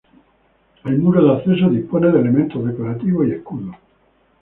El muro de acceso dispone de elementos decorativos y escudo.